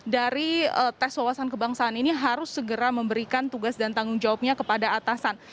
dari tes wawasan kebangsaan ini harus segera memberikan tugas dan tanggung jawabnya kepada atasan